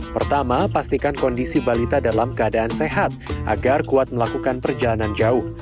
pertama pastikan kondisi balita dalam keadaan sehat agar kuat melakukan perjalanan jauh